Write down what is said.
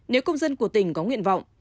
nếu công dân của tỉnh có nguyện vọng